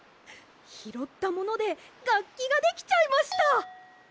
ひろったものでがっきができちゃいました！